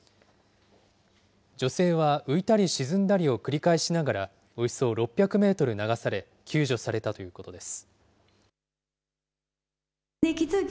女性は浮いたり沈んだりを繰り返しながら、およそ６００メートル流され、救助されたということです。